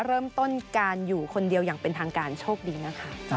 เริ่มต้นการอยู่คนเดียวอย่างเป็นทางการโชคดีนะคะ